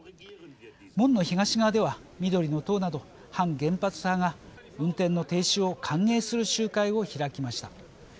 門の東側では緑の党など反原発派が運転の停止を歓迎する集会を開きました。